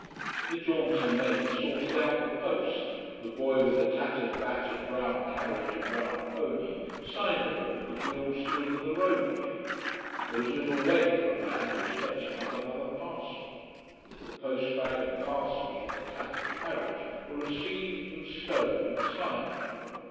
The jaunty mate sorted out the post the boy with the tattered battered brown carriage and brown pony signed the book as we all stood in the roadway. There was a little wait for a man who was fetching up another parcel. The post bag and parcels from the tattered carriage were received and stowed and signed for.